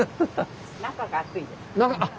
中が熱いです。